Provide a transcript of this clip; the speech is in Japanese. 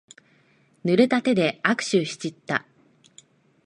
ぬれた手で握手しちった。